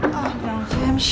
kok mending kunciin sih mah